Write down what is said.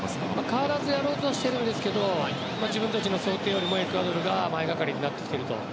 変わらずやろうとしているんですが自分たちの想定よりもエクアドルが前がかりになってきてると。